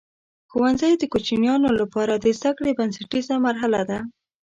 ښوونځی د کوچنیانو لپاره د زده کړې بنسټیزه مرحله ده.